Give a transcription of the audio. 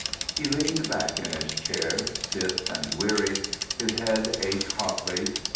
He leaned back in his chair, stiff and weary. His head ached hotly.